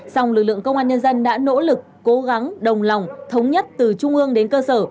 song lực lượng công an nhân dân đã nỗ lực cố gắng đồng lòng thống nhất từ trung ương đến cơ sở